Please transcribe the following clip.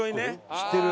知ってる！